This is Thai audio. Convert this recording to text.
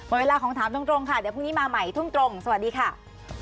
เวลาของถามตรงค่ะเดี๋ยวพรุ่งนี้มาใหม่ทุ่มตรงสวัสดีค่ะ